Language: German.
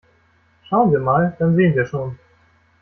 Schauen wir mal, dann sehen wir schon!